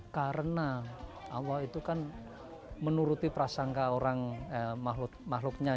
karena allah itu kan menuruti prasangka orang makhluk makhluknya